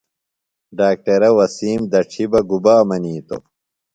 ڈاکٹرہ وسیم دڇھی بہ گُبا منِیتوۡ؟